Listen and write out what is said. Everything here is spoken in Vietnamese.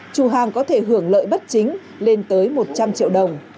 chủ hàng có thể hưởng lợi bất chính lên tới một trăm linh triệu đồng